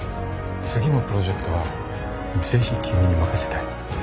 次のプロジェクトはぜひ君に任せたい